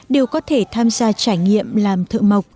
đều có thể tham gia trải nghiệm làm thợ mộc